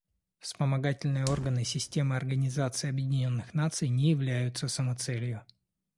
Вспомогательные органы системы Организации Объединенных Наций не являются самоцелью.